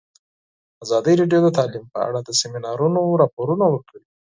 ازادي راډیو د تعلیم په اړه د سیمینارونو راپورونه ورکړي.